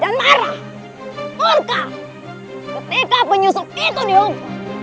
dan marah murka ketika penyusup itu dihubung